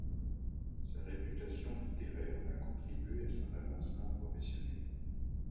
Sa réputation littéraire a contribué à son avancement professionnel.